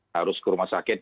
harus ke rumah sakit